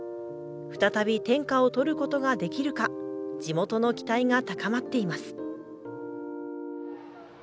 再び天下を取ることができるか地元の期待が高まっています。